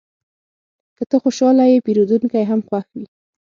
که ته خوشحاله یې، پیرودونکی هم خوښ وي.